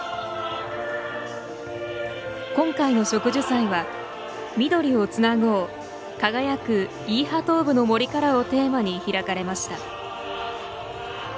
今回の植樹祭は「緑をつなごう輝くイーハトーブの森から」をテーマに開かれました。